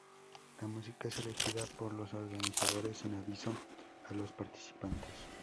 La música es elegida por los organizadores sin aviso a los participantes.